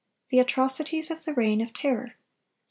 THE ATROCITIES OF THE REIGN OF TERROR.